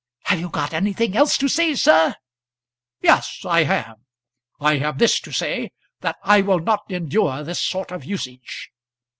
Have you got anything else to say, sir?" "Yes, I have; I have this to say, that I will not endure this sort of usage."